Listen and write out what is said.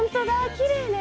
きれいね。